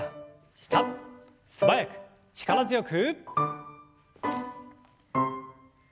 素早く力強く。